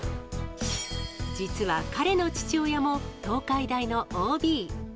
実は、彼の父親も東海大のＯＢ。